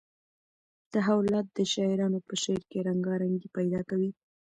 تحولات د شاعرانو په شعر کې رنګارنګي پیدا کوي.